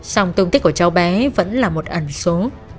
xong tương tích của cháu bé vẫn là một ẩn số